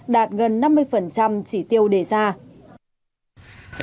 đạt gần năm mươi trị tiêu đề ra